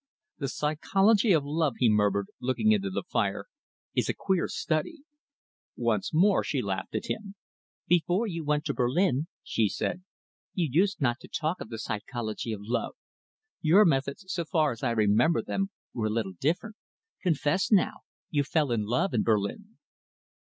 "The psychology of love," he murmured, looking into the fire, "is a queer study." Once more she laughed at him. "Before you went to Berlin," she said, "you used not to talk of the psychology of love. Your methods, so far as I remember them, were a little different. Confess now you fell in love in Berlin."